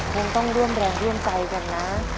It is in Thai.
คงต้องเรื่องแรงเรื่องใจกันนะ